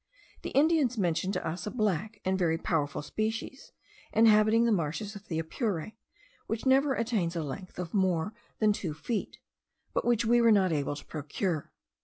The Indians mentioned to us a black and very powerful species, inhabiting the marshes of the Apure, which never attains a length of more than two feet, but which we were not able to procure.